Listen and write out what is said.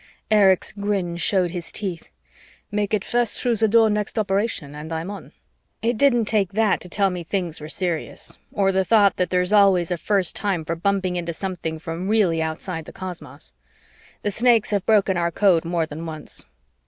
Erich's grin showed his teeth. "Make it first through the Door next operation and I'm on." It didn't take that to tell me things were serious, or the thought that there's always a first time for bumping into something from really outside the cosmos. The Snakes have broken our code more than once.